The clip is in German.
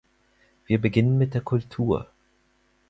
Wir beginnen mit der Kultur.